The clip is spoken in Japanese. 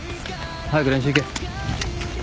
早く練習行け。